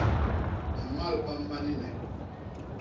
A mmal pamba ni me.